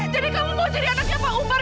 jadi kamu mau jadi anaknya pak umar